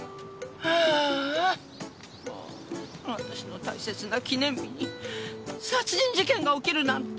はぁもう私の大切な記念日に殺人事件が起きるなんて。